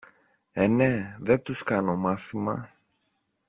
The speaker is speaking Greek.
Ε, ναι! δεν τους κάνω μάθημα!